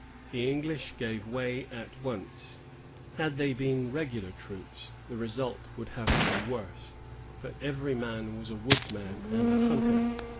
The English gave way at once. Had they been regular troops, the result would have been worse; but every man was a woodsman and a hunter.